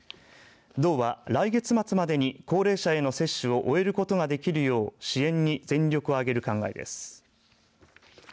道は来月末までに高齢者への接種を終えることができるよう支援に全力を挙げる考えです。